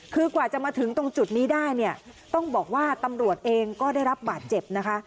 คือกว่าจะมาถึงตรงจุดนี้ได้เนี่ยต้องบอกว่าตำรวจเองก็ได้รับบาดเจ็บนะคะ